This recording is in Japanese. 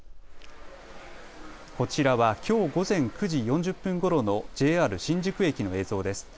こちらはきょう午前９時４０分ごろのＪＲ新宿駅の映像です。